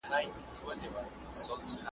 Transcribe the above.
خو چي څو ورځي څپېړي پر مخ وخوري ,